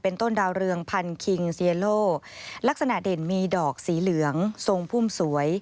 ต้นดาวเรืองพันคิงเซียโลลักษณะเด่นมีดอกสีเหลืองทรงพุ่มสวย